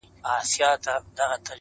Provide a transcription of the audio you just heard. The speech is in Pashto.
پوهه د محدودو نظریو پولې پراخوي.!